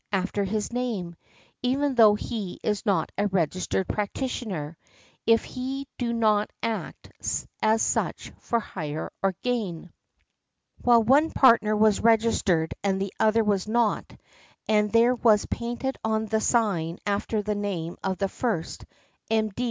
after his name, even though he is not a registered practitioner, if he do not act as such for hire or gain . Where one partner was registered and the other was not, and there was painted on the sign after the name of the first "M.